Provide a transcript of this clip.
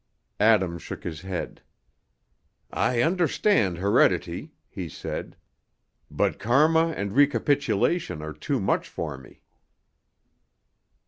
Adam shook his head. "I understand heredity," he said, "but karma and recapitulation are too much for me."